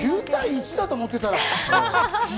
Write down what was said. ９対１だと思ってたら。